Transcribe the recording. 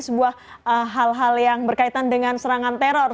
sebuah hal hal yang berkaitan dengan serangan teror